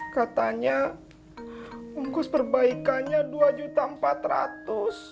katanya bungkus perbaikannya rp dua empat ratus